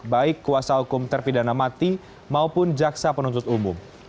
baik kuasa hukum terpidana mati maupun jaksa penuntut umum